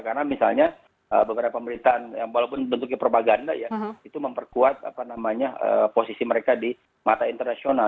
karena misalnya beberapa pemerintahan yang walaupun bentuknya propaganda ya itu memperkuat posisi mereka di mata internasional